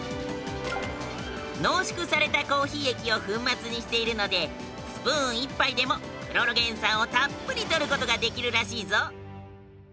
濃縮されたコーヒー液を粉末にしているのでスプーン１杯でもクロロゲン酸をたっぷりとる事ができるらしいぞ。